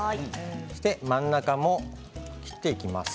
真ん中も切っていきます。